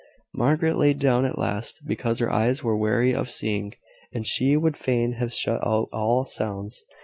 Margaret laid down at last, because her eyes were weary of seeing; and she would fain have shut out all sounds.